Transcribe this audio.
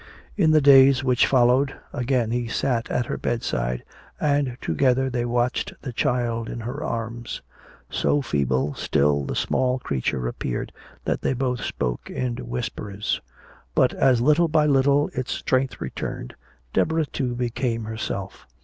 In the days which followed, again he sat at her bedside and together they watched the child in her arms. So feeble still the small creature appeared that they both spoke in whispers. But as little by little its strength returned, Deborah too became herself.